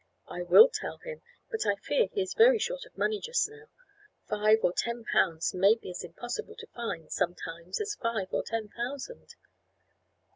"I will tell him, but I fear he is very short of money just now. Five or ten pounds may be as impossible to find, sometimes, as five or ten thousand."